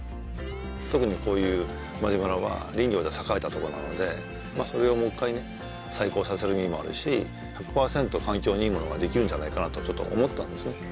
特にこういう馬路村は林業で栄えたとこなのでそれをもう一回ね再興させる意味もあるし１００％環境にいいものができるんじゃないかなとちょっと思ったんですね